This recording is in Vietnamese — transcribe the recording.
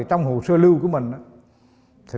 thì trong hồ sơ lưu của mình